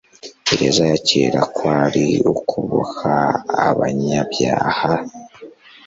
gereza ya kera kwari ukuboha abanyabyaha, c